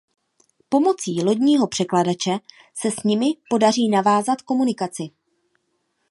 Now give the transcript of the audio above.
Pomocí lodního překladače se s nimi podaří navázat komunikaci.